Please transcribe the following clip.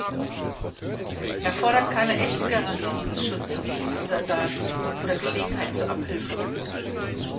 Er fordert keine echte Garantie des Schutzes dieser Daten oder Gelegenheiten zur Abhilfe.